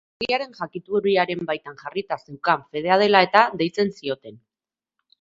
Herriaren jakituriaren baitan jarrita zeukan fedea dela eta, deitzen zioten.